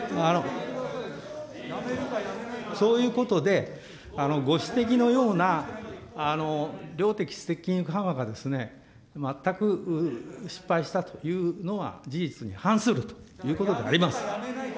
そういうことで、ご指摘のような量的質的金融緩和がですね、まったく失敗したというのは事実に反するということであります。